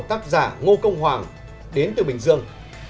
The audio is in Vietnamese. tác giả ngô công hoàng đến từ bình dương